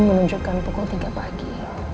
menunjukkan pukul tiga pagi